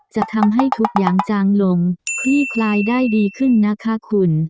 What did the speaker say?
จะทำให้ทุกอย่างจางลงคลี่คลายได้ดีขึ้นนะคะคุณ